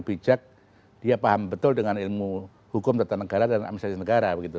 kepada yang lebih bijak dia paham betul dengan ilmu hukum tentang negara dan administrasi negara begitu